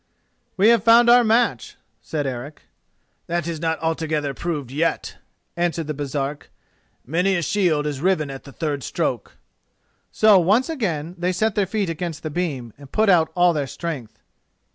"We have found our match," said Eric. "That is not altogether proved yet," answered the Baresark. "Many a shield is riven at the third stroke." So once again they set their feet against the beam, and put out all their strength.